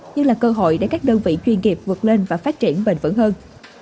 như là cơ hội để các đơn vị chuyên nghiệp vượt lên và phát triển bền vững hơn